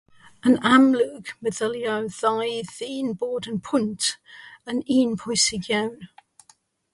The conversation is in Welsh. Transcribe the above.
Yn amlwg, meddyliai'r ddau ddyn bod y pwynt yn un pwysig iawn.